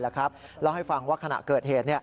เล่าให้ฟังว่าขณะเกิดเหตุ